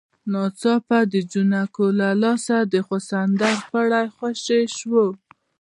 ناڅاپه د جانکو له لاسه د سخوندر پړی خوشی شو.